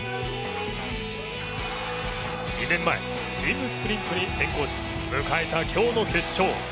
２年前、チームスプリントに転向し、迎えた今日の決勝。